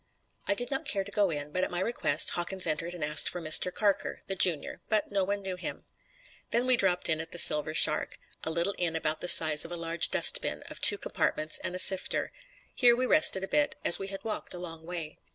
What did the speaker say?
I did not care to go in; but at my request Hawkins entered and asked for Mister Carker, the Junior, but no one knew him. Then we dropped in at The Silver Shark, a little inn about the size of a large dustbin of two compartments and a sifter. Here we rested a bit, as we had walked a long way.